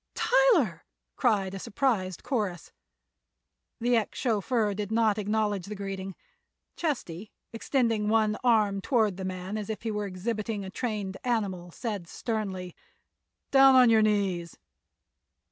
"Tyler!" cried a surprised chorus. The ex chauffeur did not acknowledge the greeting. Chesty, extending one arm toward the man as if he were exhibiting a trained animal, said sternly: "Down on your knees!"